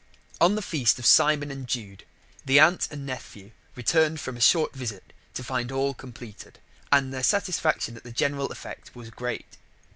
On the feast of Simon and Jude the aunt and nephew returned from a short visit to find all completed, and their satisfaction at the general effect was great.